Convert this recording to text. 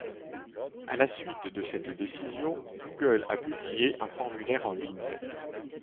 À la suite de cette décision, Google a publié un formulaire en ligne.